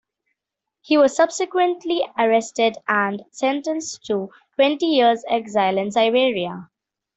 He was subsequently arrested and sentenced to twenty years' exile in Siberia.